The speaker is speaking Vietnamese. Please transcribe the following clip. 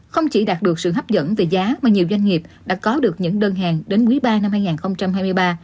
không chỉ đạt được sự hấp dẫn về giá mà nhiều doanh nghiệp đã có được những đơn hàng đến quý ba năm hai nghìn hai mươi ba